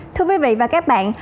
thưa quý vị và các bạn